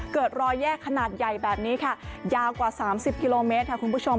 เกิดรอยแยกขนาดใหญ่แบบนี้ค่ะยาวกว่า๓๐กิโลเมตรค่ะคุณผู้ชม